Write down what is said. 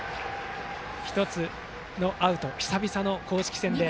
１つのアウト久々の公式戦で。